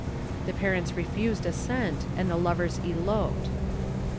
The parents refused assent and the lovers eloped.